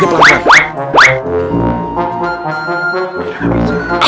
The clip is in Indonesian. jangan kecak kecak dong